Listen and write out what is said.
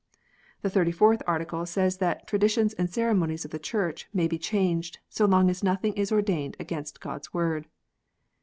The Thirty fourth Article says that " traditions and ceremonies of the Church may be changed, so long as nothing is ordained against God s Word."